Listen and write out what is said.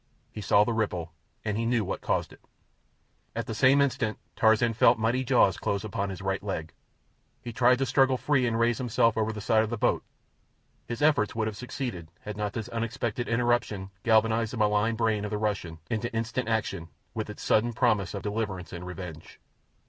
He saw the ripple, and he knew what caused it. At the same instant Tarzan felt mighty jaws close upon his right leg. He tried to struggle free and raise himself over the side of the boat. His efforts would have succeeded had not this unexpected interruption galvanized the malign brain of the Russian into instant action with its sudden promise of deliverance and revenge.